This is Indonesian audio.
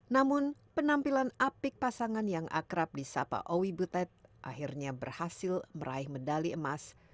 namun penampilan apik pasangan yang akrab di sapa owi butet akhirnya berhasil meraih medali emas